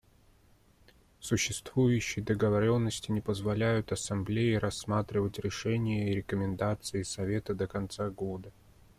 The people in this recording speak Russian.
Существующие договоренности не позволяют Ассамблее рассматривать решения и рекомендации Совета до конца года.